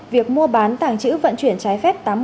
việc mua bán tàng trữ vận chuyển trái phép